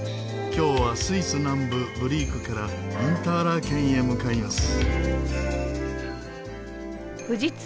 今日はスイス南部ブリークからインターラーケンへ向かいます。